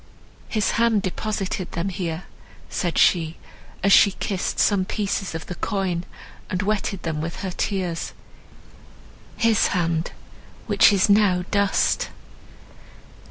"His hand deposited them here," said she, as she kissed some pieces of the coin, and wetted them with her tears, "his hand—which is now dust!"